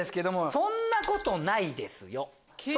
「そんなことないよ」。